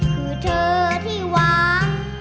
คือเธอที่หวัง